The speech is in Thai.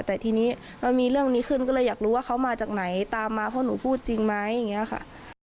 แต่ทีนี้มันมีเรื่องนี้ขึ้นก็เลยอยากรู้ว่าเขามาจากไหนตามมาเพราะหนูพูดจริงไหมอย่างนี้ค่ะ